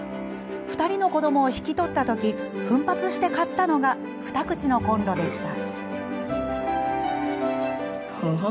２人の子どもを引き取った時奮発して買ったのが二口のコンロでした。